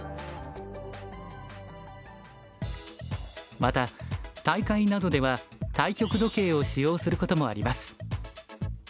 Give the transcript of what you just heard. また大会などでは対局時計を使用することもあります。